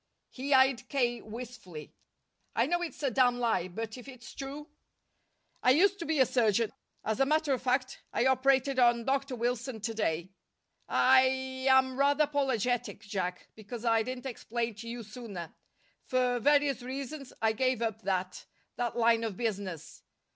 He eyed K. wistfully. "I know it's a damn lie, but if it's true " "I used to be a surgeon. As a matter of fact I operated on Dr. Wilson to day. I I am rather apologetic, Jack, because I didn't explain to you sooner. For various reasons I gave up that that line of business.